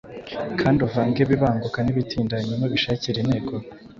kandi uvange ibibanguka n’ibitinda hanyuma ubishakire intego